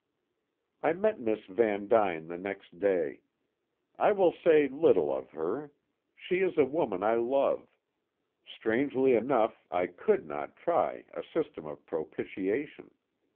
I met Miss Van Duyn the next day. I will say little of her. She is a woman I love. Strangely enough, I could not try a system of propitiation.